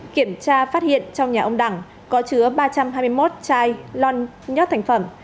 kiểm tra phát hiện trong nhà ông đẳng có chứa ba trăm hai mươi một chai loan nhớt thành phẩm